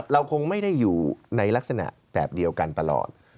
เราคงไม่ได้อยู่ในลักษณะแบบเดียวกันตลอด